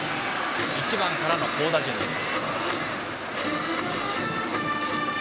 １番からの好打順です。